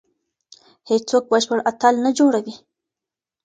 هیڅوک بشپړ اتل نه جوړوي.